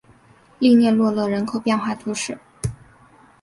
利涅罗勒人口变化图示